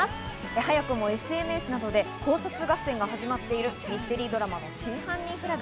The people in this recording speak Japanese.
早くもＳＮＳなどで考察合戦が始まっているミステリードラマ『真犯人フラグ』。